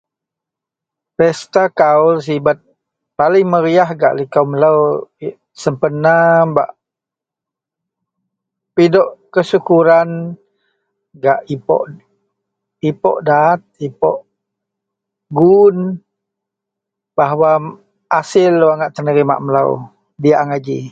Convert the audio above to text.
Pesta kaul sibat paling meriah gak likou melo sempena bak pidok kesyukuran gak ipok dad ipok gu'un bahawa hasil wak ngak terima melo diakji angai ji.